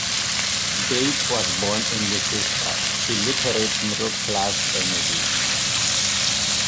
Bates was born in Leicester to a literate middle-class family.